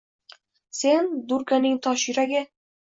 Sen — Durganing tosh yuragi